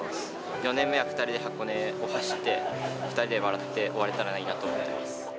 ４年目は２人で箱根を走って、２人で笑って終われたらいいなと思ってます。